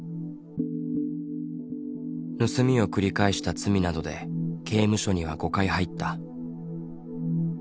盗みを繰り返した罪などで刑務所には５回入った。